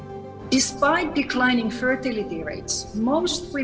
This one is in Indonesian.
kebanyakan orang jenis perempuan mengembalikan kekuasaan kerja ketika mereka menikah